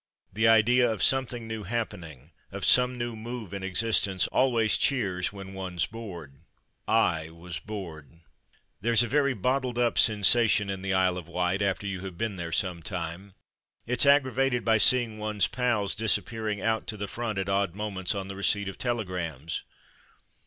The idea of something new happening, of some new move in existence, always cheers when one's bored. I was bored. There's a very bottled up sensation in the Isle of Wight, after you have been there some time. It's 36 From Mud to Mufti aggravated by seeing one's pals disappear ing out to the front at odd moments on the receipt of telegrams.